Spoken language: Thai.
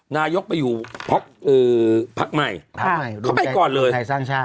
นายกไปอยู่พักใหม่พักใหม่เขาไปก่อนเลยไทยสร้างชาติ